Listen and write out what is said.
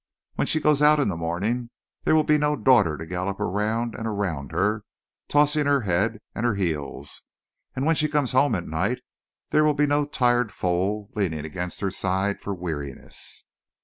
When she goes out in the morning there will be no daughter to gallop around and around her, tossing her head and her heels. And when she comes home at night there will be no tired foal leaning against her side for weariness."